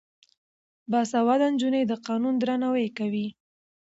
باسواده نجونې د قانون درناوی کوي.